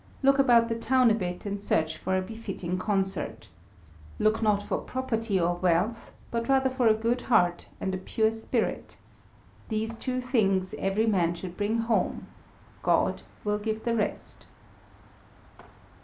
Look about the town a bit, and search for a befitting consort. Look not for property or wealth, but rather for a good heart and a pure spirit. These two things every man should bring home; God will give the rest."